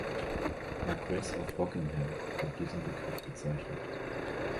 Marquess of Rockingham mit diesem Begriff bezeichnet.